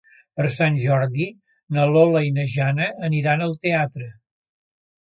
Per Sant Jordi na Lola i na Jana aniran al teatre.